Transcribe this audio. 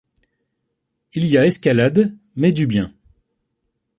Il y a escalade, mais du bien.